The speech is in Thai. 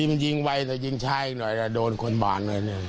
มันยิงไว้แล้วยิ่งช่ายของหน่อยล่ะโดนคนบาานอ่ะเนี่ย